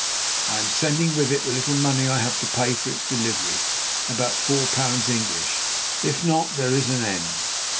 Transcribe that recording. I am sending with it the little money I have to pay for its delivery—about four pounds English. If not, there is an end.